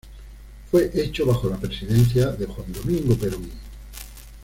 Fue hecho bajo la presidencia de Juan Domingo Perón.